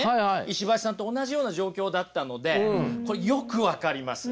石橋さんと同じような状況だったのでこれよく分かります。